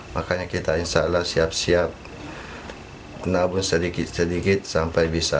makanya kita insya allah siap siap menabung sedikit sedikit sampai bisa